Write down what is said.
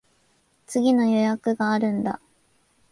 次の予約があるんだ。